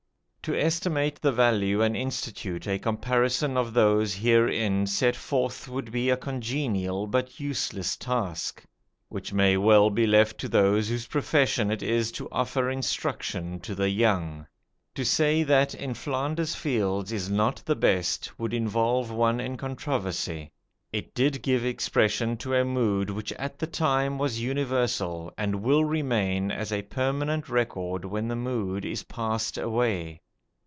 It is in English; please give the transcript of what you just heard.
To estimate the value and institute a comparison of those herein set forth would be a congenial but useless task, which may well be left to those whose profession it is to offer instruction to the young. To say that "In Flanders Fields" is not the best would involve one in controversy. It did give expression to a mood which at the time was universal, and will remain as a permanent record when the mood is passed away.